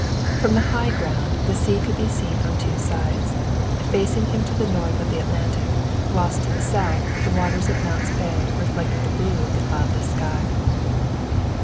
From the high ground the sea could be seen on two sides facing him to the north the Atlantic, whilst to the south the waters of Mount's Bay reflected the blue of the cloudless sky.